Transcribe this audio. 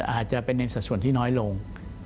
อาจจะเป็นในสภาษณ์ที่น้อยลง